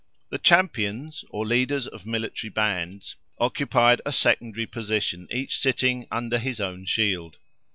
The Champions, or leaders of military bands, occupied a secondary position, each sitting under his own shield.